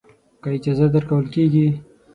که اجازه درکول کېږي.